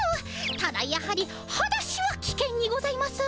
ただやはりはだしはきけんにございますねえ。